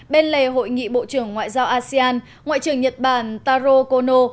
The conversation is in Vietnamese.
bên lề hội nghị bộ trưởng ngoại giao asean ngoại trưởng nhật bản taro kono